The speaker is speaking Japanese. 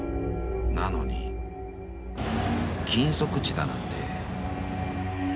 ［なのに禁足地だなんて］